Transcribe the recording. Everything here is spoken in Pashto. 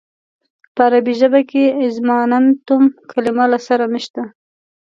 په عربي ژبه کې اظماننتم کلمه له سره نشته.